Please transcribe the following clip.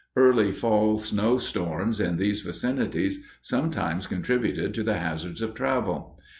Early fall snow storms in these vicinities sometimes contributed to the hazards of travel.